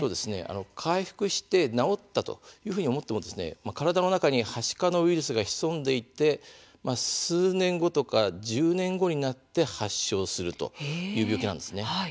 回復して治ったと思っても体の中に、はしかのウイルスが潜んでいて数年後とか１０年後になって発症するという病気なんです。